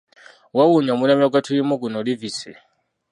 Weewuunye omulembe gwe tulimu guno Livesey!